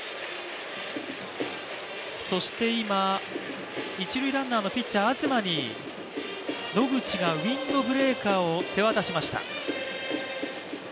そして今、一塁ランナーのピッチャー・東に野口がウインドブレーカーを手渡しました。